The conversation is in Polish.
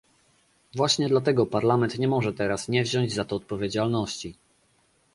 Właśnie dlatego Parlament nie może teraz nie wziąć za to odpowiedzialności